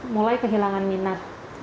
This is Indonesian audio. mulai kehilangan minat